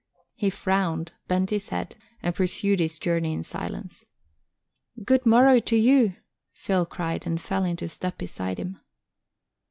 He frowned, bent his head, and pursued his journey in silence. "Good morrow to you!" Phil cried and fell into step beside him.